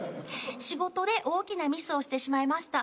「仕事で大きなミスをしてしまいました」